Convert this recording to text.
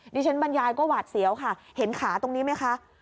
บรรยายก็หวาดเสียวค่ะเห็นขาตรงนี้ไหมคะ